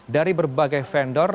dari berbagai vendor